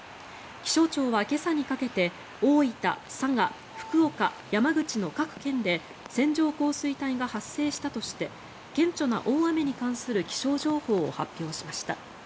気象庁は今朝にかけて大分、佐賀、福岡、山口の各県で線状降水帯が発生したとして顕著な大雨に関する気象情報を発表しました。